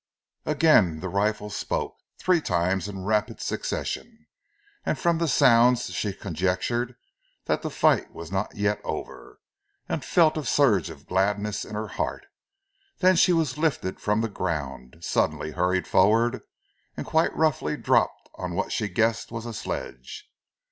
Again the rifle spoke, three times in rapid succession, and from the sounds she conjectured that the fight was not yet over, and felt a surge of gladness in her heart. Then she was lifted from the ground, suddenly hurried forward, and quite roughly dropped on what she guessed was a sledge.